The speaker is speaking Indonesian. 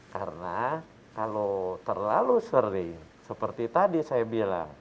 karena kalau terlalu sering seperti tadi saya bilang